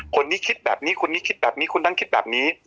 คนนี้คิดแบบนี้คนนี้คิดแบบนี้คนนั้นคิดแบบนี้